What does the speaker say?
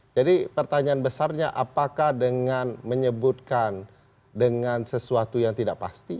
jadi pertanyaan besarnya apakah dengan menyebutkan dengan sesuatu yang tidak pasti